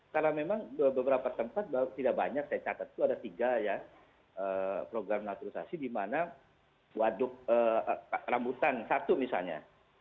karena memang beberapa tempat tidak banyak saya catat itu ada tiga ya program naturalisasi di mana waduk rambutan satu misalnya